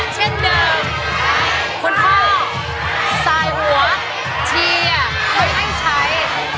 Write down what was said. ใช้หรือไม่ใช้